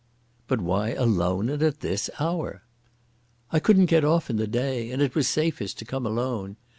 "But why alone and at this hour?" "I couldn't get off in the day. And it was safest to come alone.